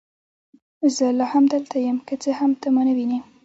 زه لا هم دلته یم، که څه هم ته ما نه وینې.